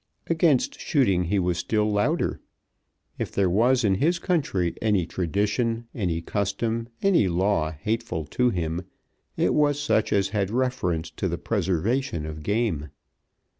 Against shooting he was still louder. If there was in his country any tradition, any custom, any law hateful to him, it was such as had reference to the preservation of game.